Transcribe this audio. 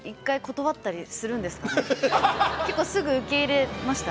結構すぐ受け入れました？